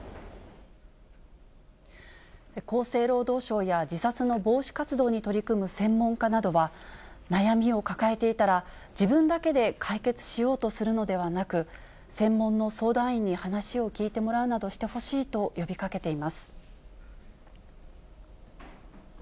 厚生労働省や、自殺の防止活動に取り組む専門家などは、悩みを抱えていたら、自分だけで解決しようとするのではなく、専門の相談員に話を聞いてもらうなどしてほしいと呼びかけています。